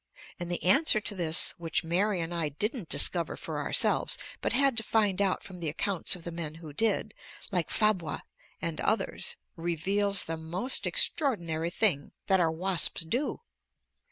And the answer to this, which Mary and I didn't discover for ourselves, but had to find out from the accounts of the men who did, like Fabre and others, reveals the most extraordinary thing that our wasps do.